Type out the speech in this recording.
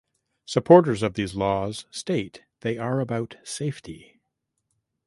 Supporters of these laws state they are about safety.